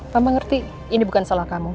papa ngerti ini bukan salah kamu